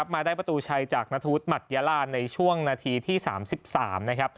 มาได้ประตูชัยจากนทุศมัตยลาในช่วงนาทีที่๓๓